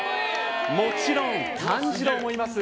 もちろん炭治郎もいます。